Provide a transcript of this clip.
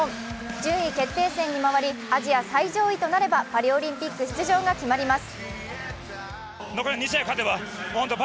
順位決定戦に回り、アジア最上位となればパリオリンピック出場が決まります。